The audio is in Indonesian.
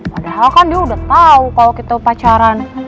padahal kan dia udah tau kalau kita pacaran